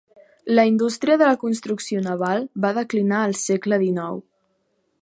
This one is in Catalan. La indústria de la construcció naval va declinar al segle XIX.